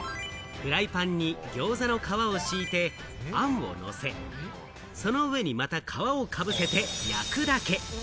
フライパンにギョーザの皮を敷いてあんをのせ、その上にまた皮をかぶせて焼くだけ。